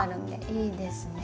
いいですね。